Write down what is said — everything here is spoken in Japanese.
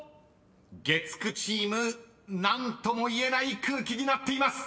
［月９チーム何とも言えない空気になっています］